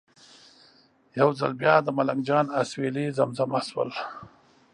یو ځل بیا د ملنګ جان اسویلي زمزمه شول.